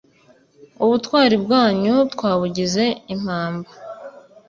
ubutwari bwanyu twabugize impamba